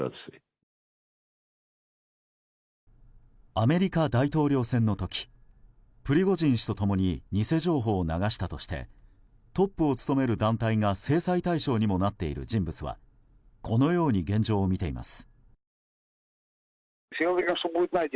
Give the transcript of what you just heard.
アメリカ大統領選の時プリゴジン氏と共に偽情報を流したとしてトップを務める団体が制裁対象にもなっている人物はこのように現状を見ています。